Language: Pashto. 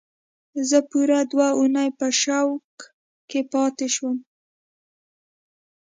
زه پوره دوه اونۍ په شوک کې پاتې شوم